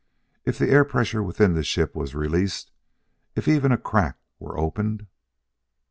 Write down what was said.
If the air pressure within the ship were released; if even a crack were opened!